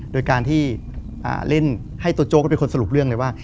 โดยการที่เล่นให้ตัวโจ๊ก็เป็นคนสรุปเรื่องเลยว่า